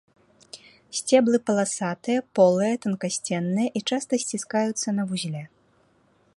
Сцеблы паласатыя, полыя, танкасценныя і часта сціскаюцца на вузле.